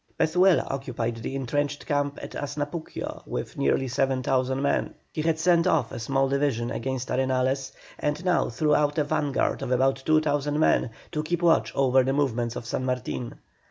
Pezuela occupied the entrenched camp at Asnapuquio with nearly 7,000 men. He had sent off a small division against Arenales, and now threw out a vanguard of about 2,000 men to keep watch over the movements of San Martin.